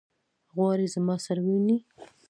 غواړي زما سره وویني.